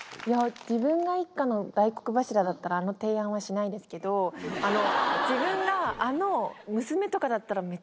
自分が一家の大黒柱だったらあの提案はしないですけど自分があの。